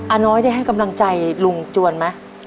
น้อยได้ให้กำลังใจลุงจวนไหม